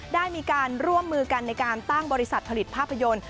ได้มีการร่วมมือกันในการตั้งบริษัทผลิตภาพยนตร์